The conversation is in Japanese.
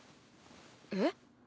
えっ？